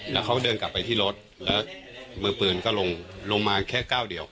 แล้วเขาเดินกลับไปที่รถแล้วมือปืนก็ลงลงมาแค่ก้าวเดียว